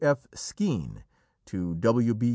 F. Skene, to W.